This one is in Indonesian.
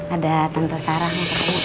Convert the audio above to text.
ada tante sarah mau temukanmu